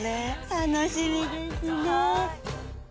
楽しみですね。